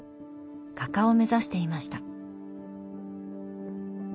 画家を目指していました。